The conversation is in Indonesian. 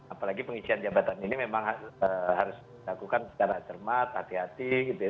apalagi pengisian jabatan ini memang harus dilakukan secara cermat hati hati gitu ya